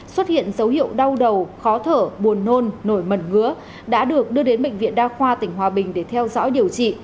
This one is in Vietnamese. xuất hiện dấu hiệu đau đầu khó thở buồn nôn nổi mẩn ngứa đã được đưa đến bệnh viện đa khoa tỉnh hòa bình để theo dõi điều trị